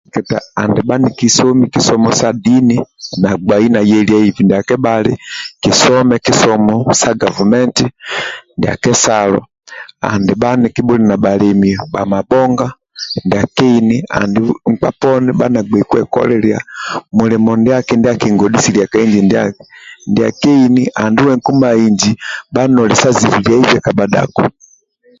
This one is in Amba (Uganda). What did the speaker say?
ndia kateketa andi ba ni kisomi ki somo sa dini na bgai na yeliyaibhe ndia kebali kisome kisomo sa gavumenti ndia kesalo andi ba nikili na bulemi amabonga ndia keini andi nkpa poni ba na gbei kwe kolilya mulimo ndiaki ndia kingodhisilya ka inji ndiaki ndia kehini anduwe nkuma inji ba noli sa zibhilyaibe ka badako